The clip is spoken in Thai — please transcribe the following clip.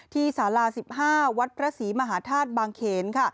ที่สาลา๑๕วัดประศรีมหาธาตุบางเขน